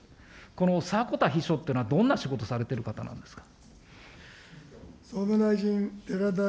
このさこた秘書というのはどんな仕事されてる方なんですか。